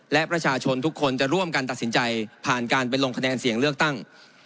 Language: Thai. และประชาชนทุกคนจะร่วมกันตัดสินใจผ่านการไปลงคะแนนเสียงเลือกตั้ง